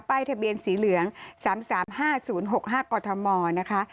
ทะเบียนสีเหลือง๓๓๕๐๖๕กธมนะคะ